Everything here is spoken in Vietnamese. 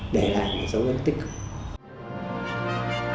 để lại là sống rất tích cực